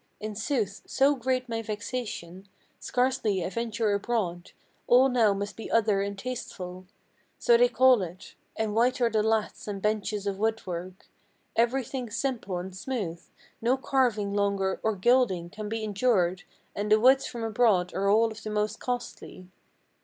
In sooth, so great my vexation Scarcely I venture abroad. All now must be other and tasteful, So they call it; and white are the laths and benches of wood work; Everything simple and smooth; no carving longer or gilding Can be endured, and the woods from abroad are of all the most costly.